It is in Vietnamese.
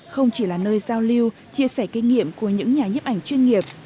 không chỉ là nơi giao lưu chia sẻ kinh nghiệm của những nhà nhấp ảnh chuyên nghiệp